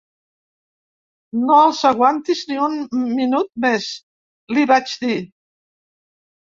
No els aguantis ni un minut més, li vaig dir.